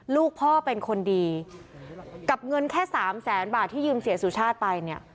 ลูกพ่อเป็นคนดีกับเงินแค่สามแสนบาทที่ยืมเสียสุชาติไปเนี่ย